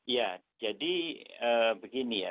ya jadi begini ya